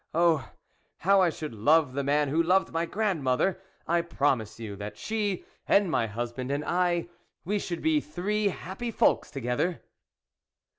Oh ! how I should love the man who loved my grandmother ! I promise you, that she, and my husband, and I, we should be three happy folks together."